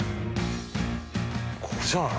ここじゃない？